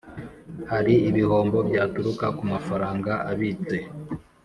Hari ibihombo byaturuka ku mafaranga abitse